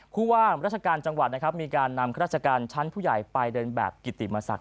ผู้ว่าราชการจังหวัดนะครับมีการนำข้าราชการชั้นผู้ใหญ่ไปเดินแบบกิติมศักดิ